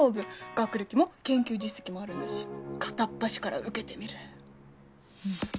学歴も研究実績もあるんだし片っ端から受けてみる。